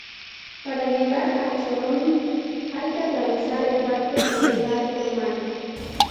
Para llegar a Choroní hay que atravesar el parque, o llegar por mar.